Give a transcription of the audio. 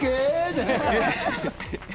じゃない！